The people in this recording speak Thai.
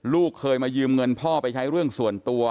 ลูกเคยมายืมเงินพ่อไปใช้เรื่องส่วนตัว